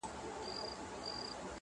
لار یې کړه بدله لکه نه چي زېږېدلی وي -